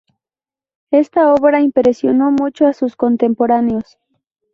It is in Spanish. Esta obra impresionó mucho a sus contemporáneos.